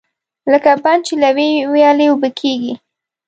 لکه بڼ چې له یوې ویالې اوبه کېږي.